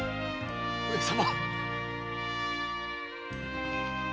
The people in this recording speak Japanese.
上様！